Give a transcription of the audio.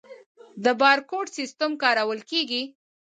د بارکوډ سیستم کارول کیږي؟